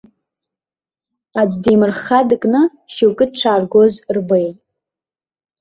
Аӡә деимырхха дыкны шьоукы дшааргоз рбеит.